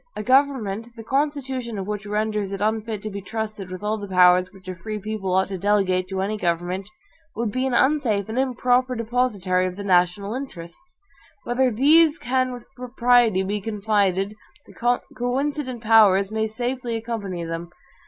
A government, the constitution of which renders it unfit to be trusted with all the powers which a free people ought to delegate to any government, would be an unsafe and improper depositary of the NATIONAL INTERESTS. Wherever THESE can with propriety be confided, the coincident powers may safely accompany them.